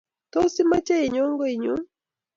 Tos imoche inyo goinyu?